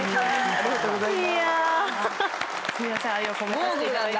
ありがとうございます。